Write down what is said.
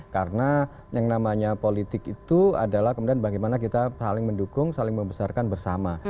karena yang namanya politik itu adalah kemudian bagaimana kita saling mendukung saling membesarkan bersama